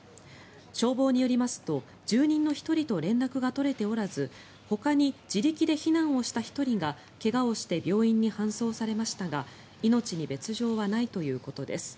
消防によりますと住人の１人と連絡が取れておらずほかに自力で避難をした１人が怪我をして病院に搬送されましたが命に別条はないということです。